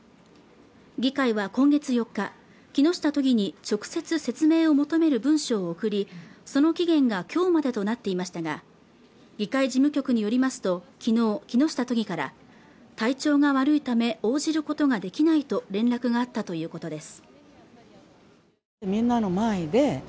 議会は今月４日木下都議に直接説明を求める文書を送りその期限が今日までとなっていましたが議会事務局によりますときのう木下都議から体調が悪いため応じることができないと連絡があったということです